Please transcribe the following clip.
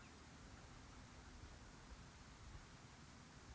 asal sekolah sma negeri tiga belas